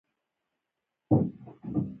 کاکړ د افغان تاریخ مهمه برخه دي.